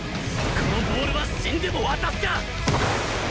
このボールは死んでも渡すか！